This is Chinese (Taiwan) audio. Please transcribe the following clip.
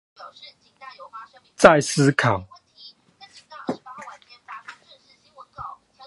再思考